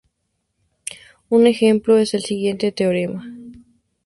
Un ejemplo es el siguiente teorema:.